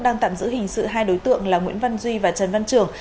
đang tạm giữ hình sự hai đối tượng là nguyễn văn duy và trần văn trường